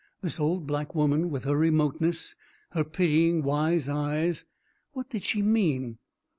This old black woman, with her remoteness, her pitying wise eyes, what did she mean?